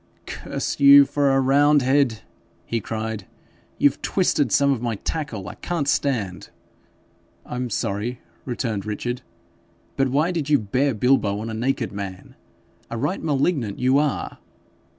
'Curse you for a roundhead!' he cried; 'you've twisted some of my tackle. I can't stand.' 'I'm sorry,' returned Richard, 'but why did you bare bilbo on a naked man? A right malignant you are